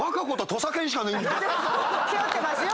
背負ってますよ。